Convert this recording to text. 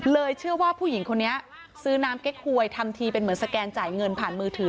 เชื่อว่าผู้หญิงคนนี้ซื้อน้ำเก๊กหวยทำทีเป็นเหมือนสแกนจ่ายเงินผ่านมือถือ